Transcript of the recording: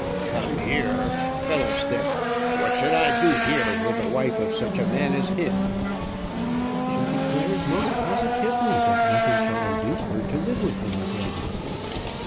"Come here fiddlestick! What should I do here with the wife of such a man as him?" "She declares most positively that nothing shall induce her to live with him again."